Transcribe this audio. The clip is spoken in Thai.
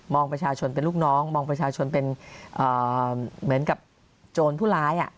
ประชาชนเป็นลูกน้องมองประชาชนเป็นเหมือนกับโจรผู้ร้าย